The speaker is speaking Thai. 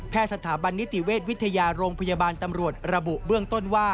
สถาบันนิติเวชวิทยาโรงพยาบาลตำรวจระบุเบื้องต้นว่า